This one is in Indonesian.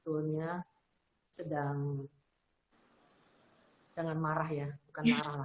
jangan marah ya bukan marah lah